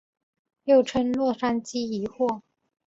又称洛杉矶疑惑。